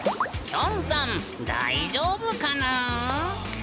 きょんさん大丈夫かぬん？